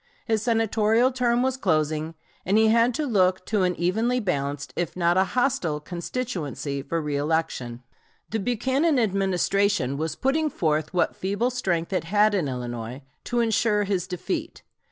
His Senatorial term was closing, and he had to look to an evenly balanced if not a hostile constituency for reëlection. The Buchanan Administration was putting forth what feeble strength it had in Illinois to insure his defeat.